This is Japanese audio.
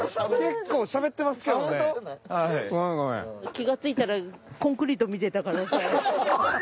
気がついたらコンクリート見てたからさ。